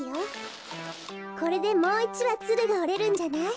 これでもう１わツルがおれるんじゃない？